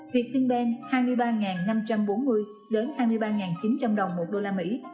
việt tinh ben hai mươi ba năm trăm bốn mươi đến hai mươi ba chín trăm linh đồng một đô la mỹ